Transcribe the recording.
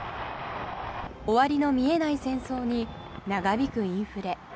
終わりの見えない戦争に長引くインフレ。